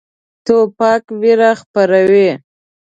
توپک ویره خپروي.